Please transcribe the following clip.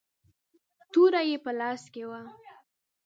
توره يې په لاس کې وه.